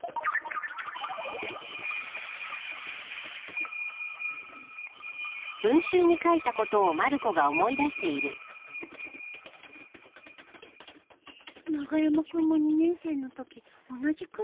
長山君も２年生のとき同じクラスだったから